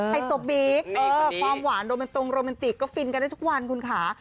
ไฮโซบีฟความหวานโรแมนตรงโรแมนติกก็ฟินกันได้ทุกวันคุณค่ะ